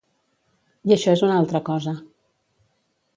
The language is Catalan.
I això és una altra cosa.